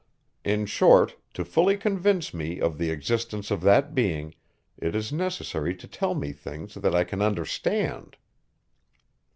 In short, to fully convince me of the existence of that being, it is necessary to tell me things that I can understand.